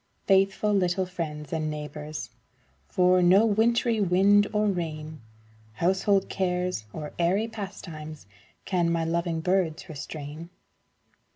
Faithful little friends and neighbors, For no wintry wind or rain, Household cares or airy pastimes, Can my loving birds restrain.